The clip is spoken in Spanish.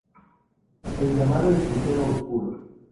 El llamado hechicero "oscuro".